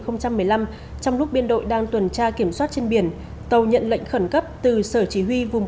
trong lúc biên đội đang tuần tra kiểm soát trên biển tàu nhận lệnh khẩn cấp từ sở chỉ huy vùng